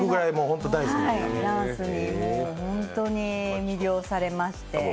ダンスに魅了されまして。